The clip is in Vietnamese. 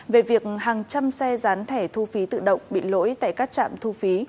về việc hàng trăm xe gián thẻ thu phí tự động bị lỗi tại các trạm thu phí